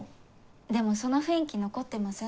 でもその雰囲気残ってません？